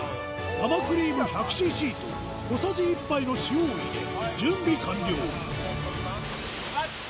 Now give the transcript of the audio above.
生クリーム１００ｃｃと小さじ１杯の塩を入れ準備完了